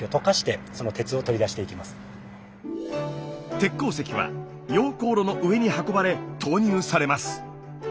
鉄鉱石は溶鉱炉の上に運ばれ投入されます。